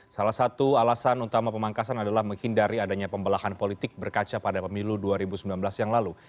salah satu alasan utama pemangkasan adalah menghindari adanya pembelahan politik berkaca pada pemilu dua ribu sembilan belas yang lalu